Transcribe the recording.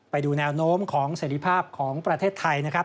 ไปดูแนวโน้มของเสร็จภาพของประเทศไทยนะครับ